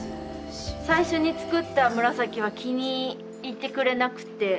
最初に作った紫は気に入ってくれなくて。